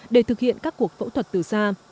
để thực hiện các cuộc phẫu thuật từ xa